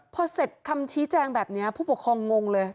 พอเสร็จคำชี้แจงแบบนี้ผู้ปกครองงงเลย